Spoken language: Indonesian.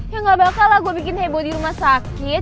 ya gak bakal lah gue bikin heboh di rumah sakit